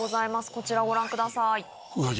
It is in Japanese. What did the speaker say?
こちらご覧ください。